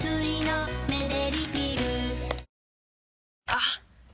あっ！